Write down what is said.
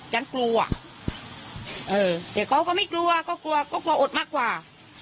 ฉันกลัวแต่เขาก็ไม่กลัวก็กลัวก็กลัวอดมากกว่า